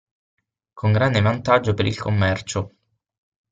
Con grande vantaggio per il commercio.